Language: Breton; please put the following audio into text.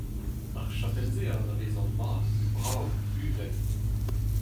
Ar chapel-se a anavezan mat, brav, uvel.